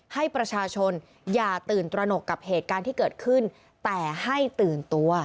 ให้ประชาชนอย่าตื่นตระหนกกับเหตุการณ์ที่เกิดขึ้นแต่ให้ตื่นตัว